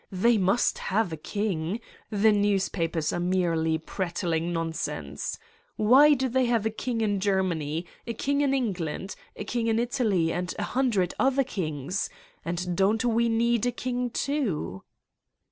They must have a king. The newspapers are merely prattling nonsense. Why do they have a king in Germany, a king in England, a king in Italy, and a hundred other kings? And don't we need a king too?"